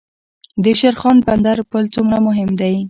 د شیرخان بندر پل څومره مهم دی؟